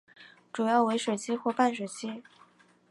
主要为水栖或半水栖。